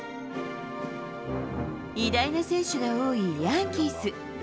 偉大な選手が多いヤンキース。